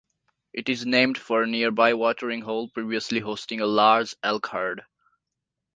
It is named for a nearby watering hole previously hosting a large elk herd.